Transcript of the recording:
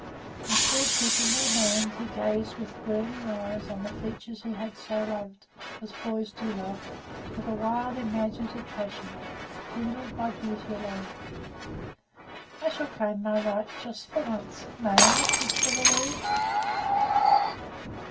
And, still keeping her hand, he gazed with burning eyes on the features he had so loved as boys do love with a wild imaginative passion, kindled by beauty alone. "I shall claim my right just for once may I, sister Louise?"